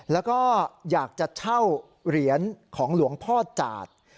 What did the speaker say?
แล้วก็อยากจะเช่าเหรียญของหลวงพ่อจาด